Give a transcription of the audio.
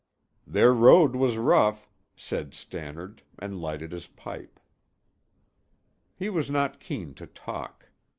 "Their road was rough," said Stannard and lighted his pipe. He was not keen to talk.